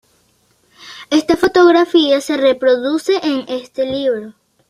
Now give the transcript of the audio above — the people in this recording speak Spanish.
Esta fotografía se reproduce en este libro.